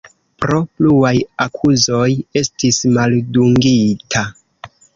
Pro pluaj akuzoj estis maldungita.